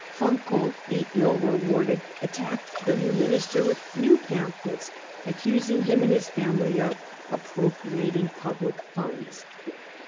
Fancan, the ill rewarded, attacked the new Minister with new pamphlets, accusing him and his family of appropriating public funds.